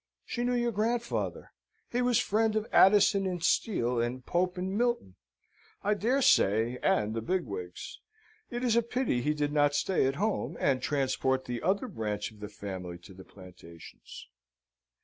She knew your grandfather. He was friend of Addison and Steele, and Pope and Milton, I dare say, and the bigwigs. It is a pity he did not stay at home, and transport the other branch of the family to the plantations."